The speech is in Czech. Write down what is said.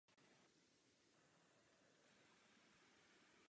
Evropská unie by expanzi Číny do Afriky měla pozorně sledovat.